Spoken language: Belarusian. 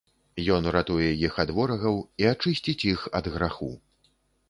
Ён ратуе іх ад ворагаў і ачысціць іх ад граху.